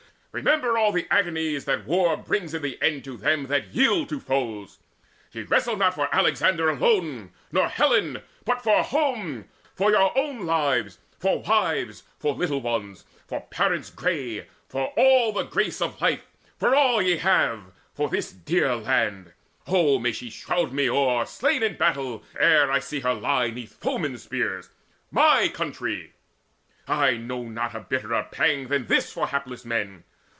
Remember all the agonies that war Brings in the end to them that yield to foes. Ye wrestle not for Alexander alone, Nor Helen, but for home, for your own lives, For wives, for little ones, for parents grey, For all the grace of life, for all ye have, For this dear land oh may she shroud me o'er Slain in the battle, ere I see her lie 'Neath foemen's spears my country! I know not A bitterer pang than this for hapless men!